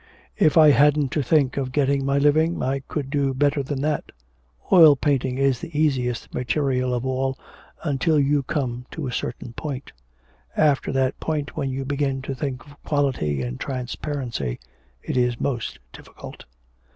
If I hadn't to think of getting my living I could do better than that. Oil painting is the easiest material of all until you come to a certain point; after that point, when you begin to think of quality and transparency, it is most difficult.'